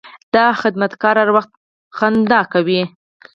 دا خدمتګار هر وخت موسکی وي.